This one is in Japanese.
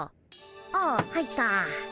ああ入った。